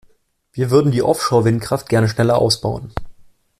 Wir würden die Offshore-Windkraft gerne schneller ausbauen.